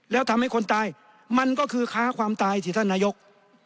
แล้วทำให้คนตายมันก็คือค้าความตายสิท่านนายก